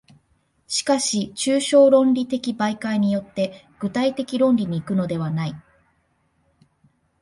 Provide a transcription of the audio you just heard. しかし抽象論理的媒介によって具体的論理に行くのではない。